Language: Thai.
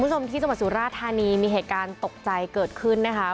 ผู้ชมที่จมัสสุราธารณีมีเหตุการณ์ตกใจเกิดขึ้นนะคะ